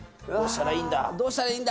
どうしたらいいんだ？